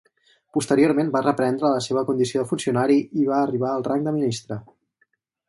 Posteriorment va reprendre la seva condició de funcionari i va arribar al rang de ministre.